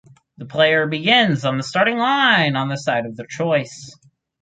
The players begins on the starting line on the side of their choice.